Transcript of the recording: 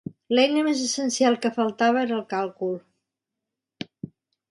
L'eina més essencial que faltava era el càlcul.